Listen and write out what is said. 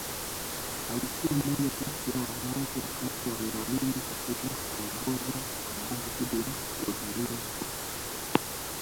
Alikuwa mmoja kati ya wanawake wachache walioaminiwa katika kuongoza mapambano dhidi ya udhalimu